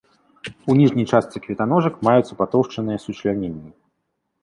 У ніжняй частцы кветаножак маюцца патоўшчаныя сучляненні.